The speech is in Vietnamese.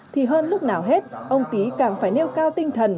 thì hơn lúc nào hết ông tý càng phải nêu cao tinh thần